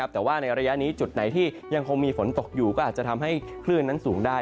แต่ว่าในระยะนี้จุดไหนที่ยังคงมีฝนตกอยู่ก็อาจจะทำให้คลื่นนั้นสูงได้